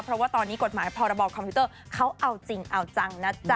เพราะว่าตอนนี้กฎหมายพรบคอมพิวเตอร์เขาเอาจริงเอาจังนะจ๊ะ